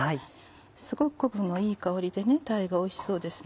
すごく昆布のいい香りで鯛がおいしそうですね。